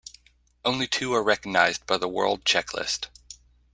Only two are recognized by the World Checklist.